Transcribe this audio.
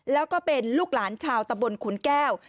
แล้วก็เป็นลูกหลานชาวตะบนขุนแก้ว